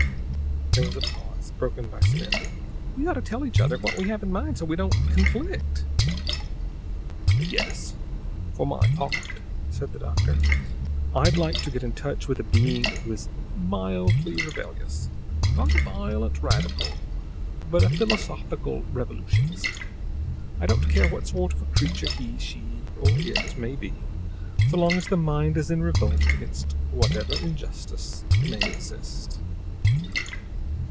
There was a pause, broken by Smith: "We ought to tell each other what we have in mind, so that we don't conflict." "Yes. For my part," said the doctor, "I'd like to get in touch with a being who is mildly rebellious; not a violent radical, but a philosophical revolutionist. I don't care what sort of a creature he, she, or it may be, so long as the mind is in revolt against whatever injustice may exist."